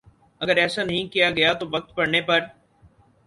اگر ایسا نہیں کیا گیا تو وقت پڑنے پر